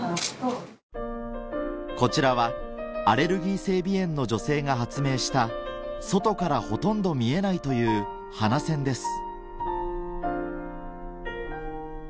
こちらはアレルギー性鼻炎の女性が発明した外からほとんど見えないという鼻栓です